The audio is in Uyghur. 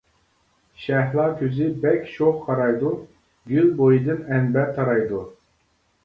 شەھلا كۆزى بەك شوخ قارايدۇ گۈل بويىدىن ئەنبەر تارايدۇ.